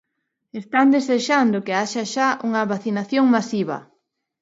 Están desexando que haxa xa unha vacinación masiva.